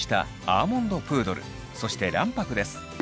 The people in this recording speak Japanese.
そして卵白です。